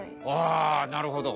あなるほど。